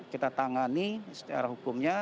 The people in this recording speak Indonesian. kita tangani secara hukumnya